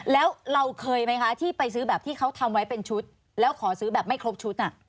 แล้วเราเคยไหมคะที่ไปซื้อแบบที่เขาทำไว้เป็นชุดแล้วขอซื้อแบบไม่ครบชุด